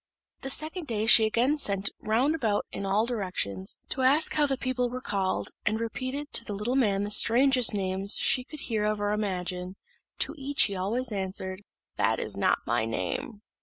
The second day she again sent round about in all directions, to ask how the people were called, and repeated to the little man the strangest names she could hear of or imagine: to each he answered always, "That is not my name."